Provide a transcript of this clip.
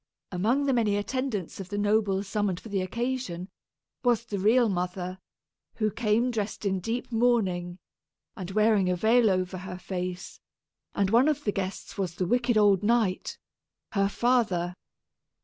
Among the many attendants of the nobles summoned for the occasion, was the real mother, who came dressed in deep mourning and wearing a veil over her face; and one of the guests was the wicked old knight, her father.